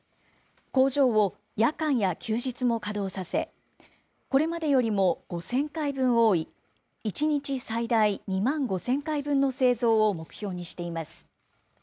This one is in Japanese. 工場を夜間や休日も稼働させ、これまでよりも５０００回分多い、１日最大２万５０００回分の製造を目標にしています。